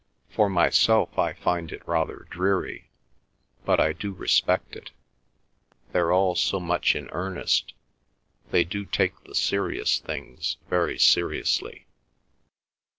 For myself, I find it rather dreary. But I do respect it. They're all so much in earnest. They do take the serious things very seriously."